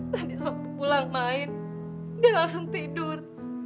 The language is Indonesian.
nanti waktu pulang main dia langsung tidur